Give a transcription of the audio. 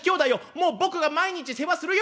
もう僕が毎日世話するよ！」。